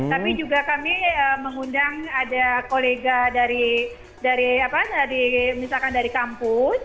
tapi juga kami mengundang ada kolega dari kampus